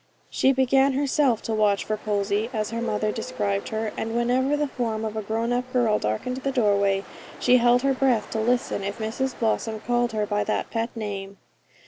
She began herself to watch for Posy, as her mother described her; and whenever the form of a grown up girl darkened the doorway, she held her breath to listen if Mrs Blossom called her by that pet name.